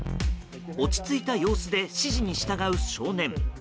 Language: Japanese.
落ち着いた様子で指示に従う少年。